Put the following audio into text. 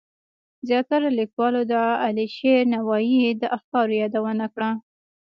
زیاترو لیکوالو د علیشیر نوایی د افکارو یادونه کړه.